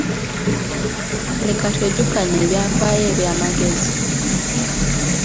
Leka twejjukanye ebyafaayo eby’amagezi.